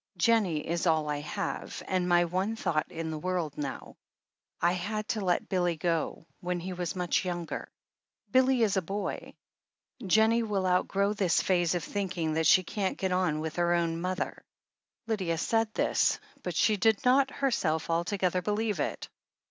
Jennie is all I have, and my one thought in the world now." 1 had to let Billy go, when he was much younger." 'Billy is a boy. Jennie will outgrow this phase of thinking that she can't get on with her own mother." Lydia said this, but she did not herself altogether believe it.